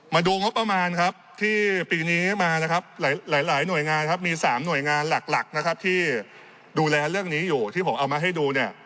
มาดูงบประมาณครับที่ปีนี้มานะครับหลายหน่วยงานครับมี๓หน่วยงานหลักนะครับที่ดูแลเรื่องนี้อยู่ที่ผมเอามาให้ดูเนี่ย